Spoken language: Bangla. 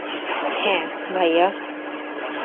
হ্যাঁঁ, ভাইয়া।